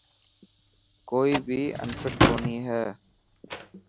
ڪوئي بي انفٽ ڪوني هي.